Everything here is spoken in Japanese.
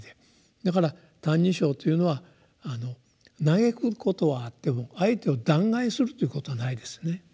だから「歎異抄」というのは歎くことはあっても相手を弾劾するということはないですね。